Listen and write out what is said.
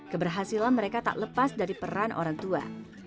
keberhasilan mereka tak lepas dari peran orang tua